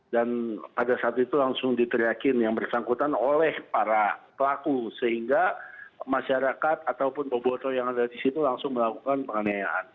pada saat itu langsung diteriakin yang bersangkutan oleh para pelaku sehingga masyarakat ataupun boboto yang ada di situ langsung melakukan penganiayaan